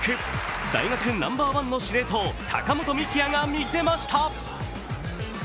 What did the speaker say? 大学ナンバーワンの司令塔、高本幹也が見せました。